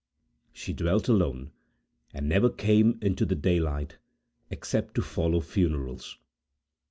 She dwelt alone, and never came into the daylight, except to follow funerals.